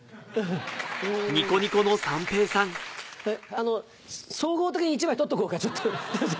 あの総合的に１枚取っとこうかちょっと。